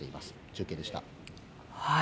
中継でした。